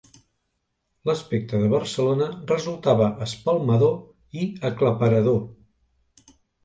L'aspecte de Barcelona resultava espalmador i aclaparador.